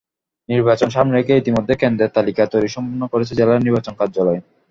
নির্বাচন সামনে রেখে ইতিমধ্যে কেন্দ্রের তালিকা তৈরি সম্পন্ন করেছে জেলা নির্বাচন কার্যালয়।